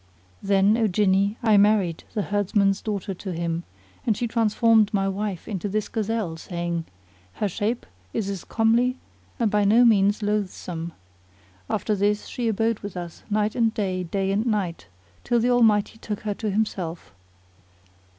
Then, O Jinni, I married the herdsman's daughter to him, and she transformed my wife into this gazelle, saying:—Her shape is a comely and by no means loathsome. After this she abode with us night and day, day and night, till the Almighty took her to Himself.